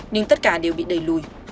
nhưng tất cả đều bị đẩy lùi